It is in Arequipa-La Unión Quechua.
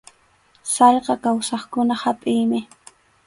Sallqa kawsaqkuna hapʼiymi.